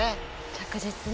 着実に。